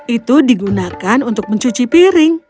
itu digunakan untuk mencuci piring